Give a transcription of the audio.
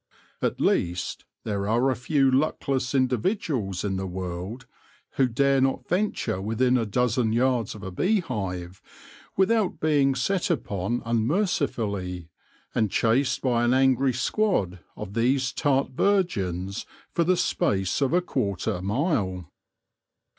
At least, there are a few luckless individuals in the world who dare not venture within a dozen yards of a bee hive without being set upon unmercifully, and chased by an angry squad of these tart virgins for the space AT THE CITY GATES 37 of a quarter mile.